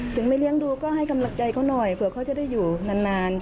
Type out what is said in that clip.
ไม่เลี้ยงดูก็ให้กำลังใจเขาหน่อยเผื่อเขาจะได้อยู่นาน